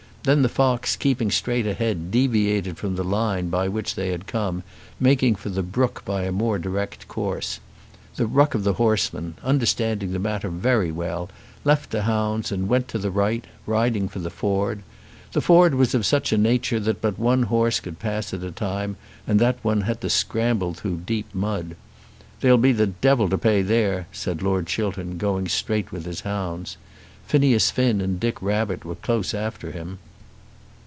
Then the fox, keeping straight ahead, deviated from the line by which they had come, making for the brook by a more direct course. The ruck of the horsemen, understanding the matter very well, left the hounds, and went to the right, riding for the ford. The ford was of such a nature that but one horse could pass it at a time, and that one had to scramble through deep mud. "There'll be the devil to pay there," said Lord Chiltern, going straight with his hounds. Phineas Finn and Dick Rabbit were close after him.